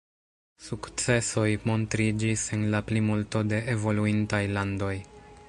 Sukcesoj montriĝis en la plimulto de evoluintaj landoj.